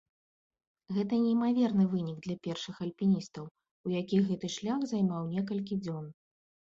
Гэта неймаверны вынік для першых альпіністаў, у якіх гэты шлях займаў некалькі дзён.